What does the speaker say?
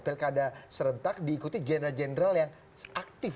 pilih ada serentak diikuti jenderal jenderal yang aktif